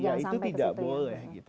iya itu tidak boleh